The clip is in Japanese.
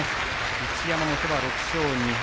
一山本は６勝２敗。